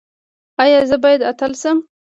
ایا زه باید اتل شم؟